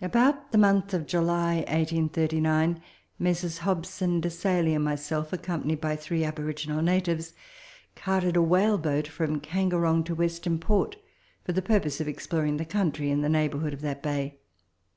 About the month of July 1839, Messrs. Hobson, Desailly, and myself, accompanied by three aboriginal natives, carted a whale boat from Kangerong to Western Port, for the purpose of ex ploring the country in the neighbourhood of that bay.